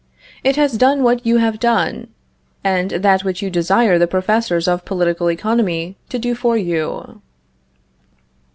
It has done what you have done, and that which you desire the professors of political economy to do for you.